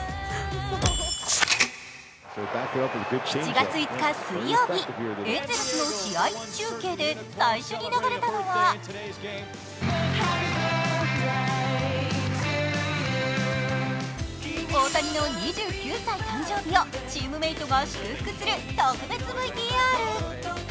７月５日水曜日、エンゼルスの試合中継で最初に流れたのは大谷の２９歳誕生日をチームメイトが祝福する特別ＶＴＲ。